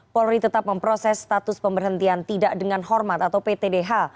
polri tetap memproses status pemberhentian tidak dengan hormat atau ptdh